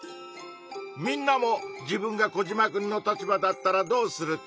みんなも自分がコジマくんの立場だったらどうするか。